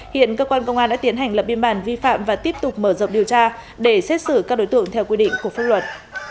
hiện cơ quan công an đã tiến hành lập biên bản vi phạm và tiếp tục mở rộng điều tra để xét xử các đối tượng theo quy định của pháp luật